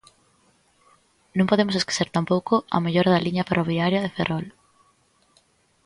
Non podemos esquecer tampouco a mellora da liña ferroviaria de Ferrol.